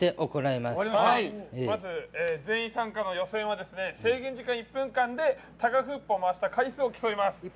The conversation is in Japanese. まず全員参加の予選は制限時間１分間でタガフープを回した回数を競います。